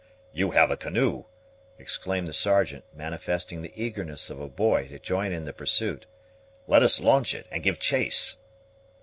"You have a canoe!" exclaimed the Sergeant, manifesting the eagerness of a boy to join in the pursuit; "let us launch it, and give chase!"